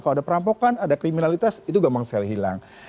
kalau ada perampokan ada kriminalitas itu gampang sekali hilang